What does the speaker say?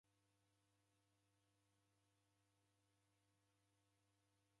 Idime kwakunde dideke kii mwanapo?